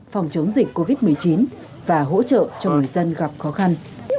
phòng chống dịch covid một mươi chín và hỗ trợ cho người dân gặp khó khăn